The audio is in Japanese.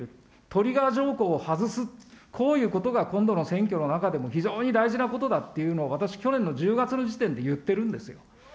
トリガー条項を外す、こういうことが今度の選挙の中でも非常に大事なことだっていうのを、私、去年の１０月の時点で言ってるんですよ。